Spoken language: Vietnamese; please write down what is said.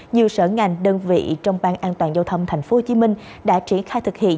nhiều sở ngành đơn vị trong ban an toàn giao thông tp hcm đã triển khai thực hiện